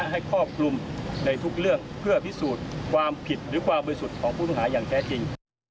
ครอบคลุมในทุกเรื่องเพื่อพิสูจน์ความผิดหรือความบริสุทธิ์ของผู้ต้องหาอย่างแท้จริง